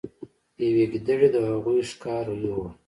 یوې ګیدړې د هغوی ښکار یووړ.